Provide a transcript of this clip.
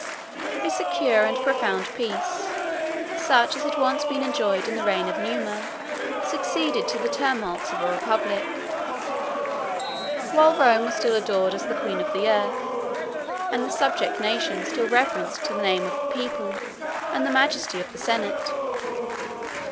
35 A secure and profound peace, such as had been once enjoyed in the reign of Numa, succeeded to the tumults of a republic; while Rome was still adored as the queen of the earth; and the subject nations still reverenced the name of the people, and the majesty of the senate.